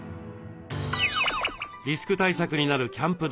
リスク対策になるキャンプ